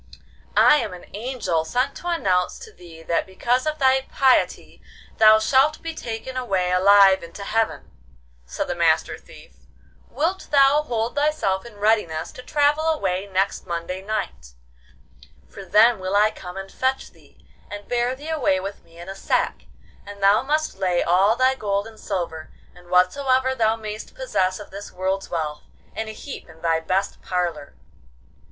'I am an angel sent to announce to thee that because of thy piety thou shalt be taken away alive into heaven,' said the Master Thief. 'Wilt thou hold thyself in readiness to travel away next Monday night? for then will I come and fetch thee, and bear thee away with me in a sack, and thou must lay all thy gold and silver, and whatsoever thou may'st possess of this world's wealth, in a heap in thy best parlour.